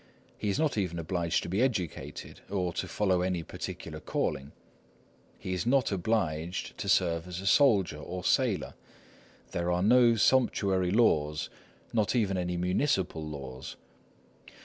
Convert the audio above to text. He is not even obliged to be educated, or to follow any particular calling. He is not obliged to serve as a soldier or sailor. There are no sumptuary laws, nor even any municipal laws.